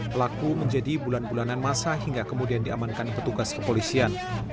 pelaku menjadi bulan bulanan masa hingga kemudian diamankan petugas kepolisian